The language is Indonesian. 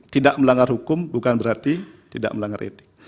tidak melanggar hukum bukan berarti tidak melanggar etik